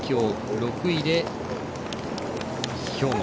６位で兵庫。